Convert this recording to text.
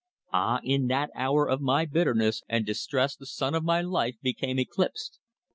Ah! in that hour of my bitterness and distress the sun of my life became eclipsed.